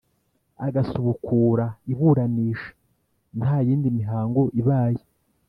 agasubukura iburanisha nta yindi mihango ibaye